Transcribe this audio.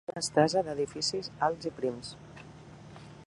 Una estesa d'edificis alts i prims